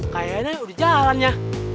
kayaknya udah jalan ya